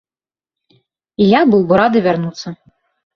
І я быў бы рады вярнуцца.